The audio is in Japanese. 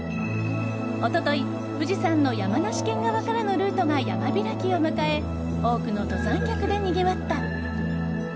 一昨日、富士山の山梨県側からのルートが山開きを迎え多くの登山客でにぎわった。